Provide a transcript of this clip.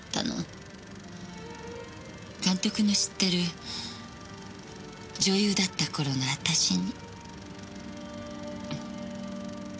監督の知ってる女優だった頃の私に。